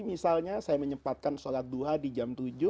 misalnya saya menyempatkan sholat duha di jam tujuh